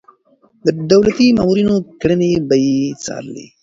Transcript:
د دولتي مامورينو کړنې به يې څارلې.